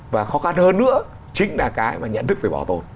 và khó khăn hơn nữa chính là cái mà nhận thức về bảo tồn